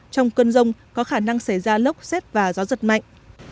trong cơn rông có khả năng xảy ra lốc xét và gió giật mạnh